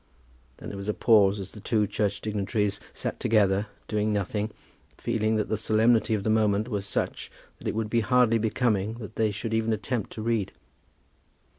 Then there was a pause as the two church dignitaries sat together, doing nothing, feeling that the solemnity of the moment was such that it would be hardly becoming that they should even attempt to read.